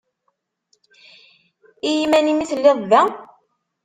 I iman-im i telliḍ da?